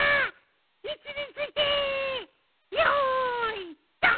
いちについてよいドン！